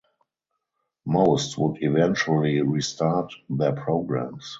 Most would eventually restart their programs.